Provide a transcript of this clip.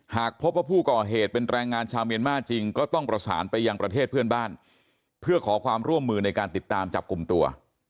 หากพบว่าผู้ก่อเหตุเป็นแรงงานชาวเมียนมาร์จริงก็ต้องประสานไปยังประเทศเพื่อนบ้านเพื่อขอความร่วมมือในการติดตามจับกลุ่มตัว